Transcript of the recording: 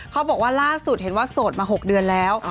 เขาบอกว่าล่าสุดเห็นว่าโสดมา๖เดือนแล้ว